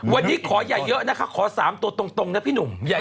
วันนี้ขออย่าเยอะนะคะขอ๓ตัวตรงนะพี่หนุ่ม